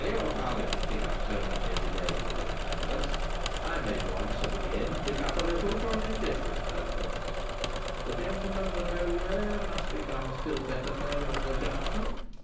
Where your father can pick up so much every day for a good purpose, I may once and again pick up a little for an indifferent purpose. The gentleman for Nowhere must become still better known at the Junction.